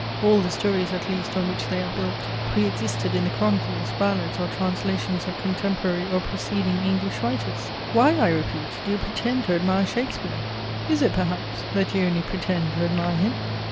All the stories, at least, on which they are built, pre existed in the chronicles, ballads, or translations of contemporary or preceding English writers. Why, I repeat, do you pretend to admire Shakespeare? Is it, perhaps, that you only pretend to admire him?